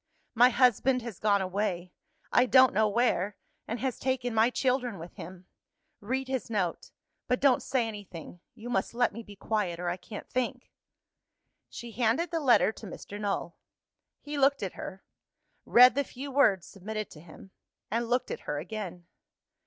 My husband has gone away I don't know where and has taken my children with him. Read his note: but don't say anything. You must let me be quiet, or I can't think." She handed the letter to Mr. Null. He looked at her read the few words submitted to him and looked at her again.